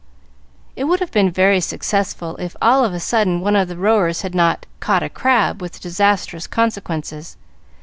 It would have been very successful if, all of a sudden, one of the rowers had not "caught a crab" with disastrous consequences.